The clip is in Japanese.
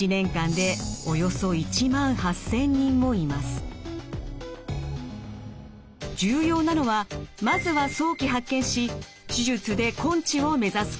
そして重要なのはまずは早期発見し手術で根治を目指すこと。